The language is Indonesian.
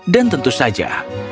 dan tentu saja